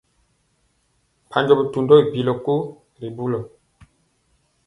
Mpanjɔ bitundɔ i bilɔ ko ri bulɔ.